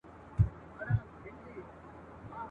جنت ځای وي د هغو چي کوي صبر ..